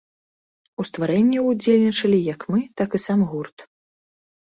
У стварэнні ўдзельнічалі як мы, так і сам гурт.